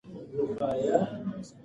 خورما ونې د خلکو لپاره حیاتي دي.